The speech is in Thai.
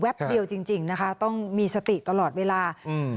แวบเดียวจริงนะคะต้องมีสติตลอดเวลา